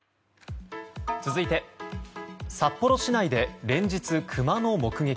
続いて札幌市内で連日クマの目撃。